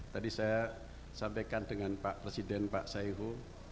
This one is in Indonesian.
tadi saya sampaikan dengan pak presiden pak saihu